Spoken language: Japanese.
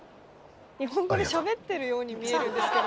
日本語でしゃべってるように見えるんですけど。